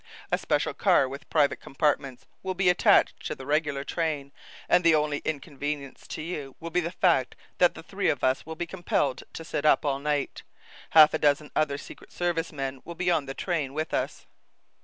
"A special car with private compartments will be attached to the regular train, and the only inconvenience to you will be the fact that the three of us will be compelled to sit up all night. Half a dozen other Secret Service men will be on the train with us."